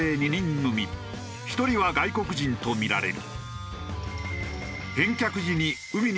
１人は外国人とみられる。